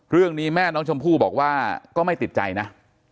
เรื่องนี้แม่น้องชมพู่บอกว่าก็ไม่ติดใจนะ